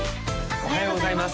おはようございます